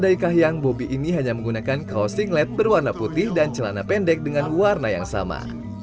putra daikah yang bobi ini hanya menggunakan kaos singlet berwarna putih dan celana pendek dengan warna yang sama